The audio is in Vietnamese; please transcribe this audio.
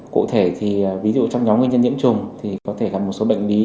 cụ thể thì ví dụ trong nhóm nguyên nhân nhiễm trùng thì có thể gặp một số bệnh lý